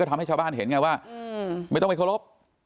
ทำให้ชาวบ้านเห็นไงว่าไม่ต้องไปเคารพ